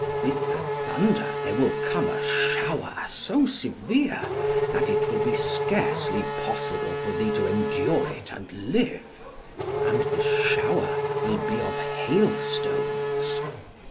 With the thunder there will come a shower so severe, that it will be scarcely possible for thee to endure it and live. And the shower will be of hailstones.